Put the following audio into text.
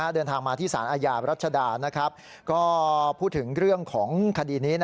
เดินทางมาที่สารอาญารัชดาก็พูดถึงเรื่องของคดีนี้